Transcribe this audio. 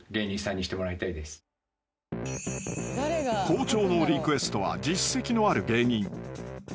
［校長のリクエストは実績のある芸人］